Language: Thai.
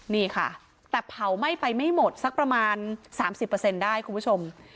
นี่ค่ะแต่เผาไหม้ไปไม่หมดสักประมาณ๓๐ได้คุณผู้ชม